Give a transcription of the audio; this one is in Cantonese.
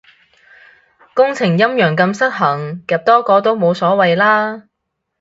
工程陰陽咁失衡，夾多個都冇所謂啦